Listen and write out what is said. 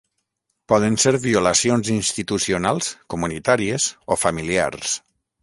Poden ser violacions institucionals, comunitàries o familiars.